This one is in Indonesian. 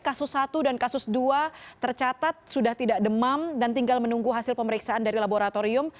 kasus satu dan kasus dua tercatat sudah tidak demam dan tinggal menunggu hasil pemeriksaan dari laboratorium